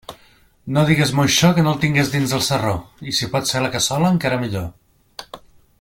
No digues moixó que no el tingues dins del sarró, i si pot ser a la cassola, encara millor.